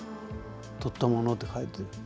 撮ったものって書いて。